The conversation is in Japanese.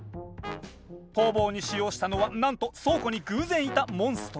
逃亡に使用したのはなんと倉庫に偶然いたモンストロ。